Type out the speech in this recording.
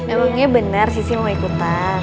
emangnya benar sisi mau ikutan